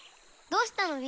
どうしたの？